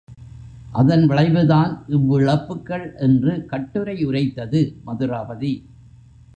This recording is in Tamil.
அதன் விளைவுதான் இவ் இழப்புகள் என்று கட்டுரை உரைத்தது மதுராபதி.